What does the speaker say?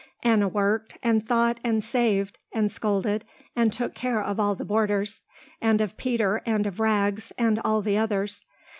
Anna worked, and thought, and saved, and scolded, and took care of all the boarders, and of Peter and of Rags, and all the others.